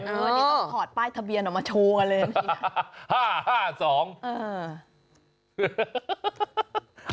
อันนี้ต้องถอดป้ายทะเบียนออกมาโชว์กันเลยเมื่อกี้